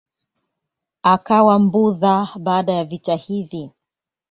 Akawa Mbudha baada ya vita hivi.